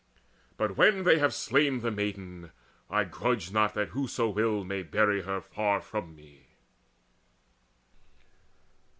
But, when they have slain the maiden, I grudge not That whoso will may bury her far from me."